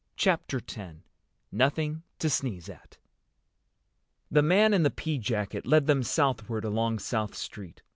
CHAPTER X NOTHING TO SNEEZE AT The man in the pea jacket led them southward along South Street.